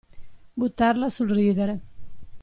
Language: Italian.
Buttarla sul ridere.